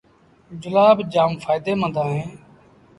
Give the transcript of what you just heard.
جُلآݩبآݩ جآم ڦآئيٚدي مند اهي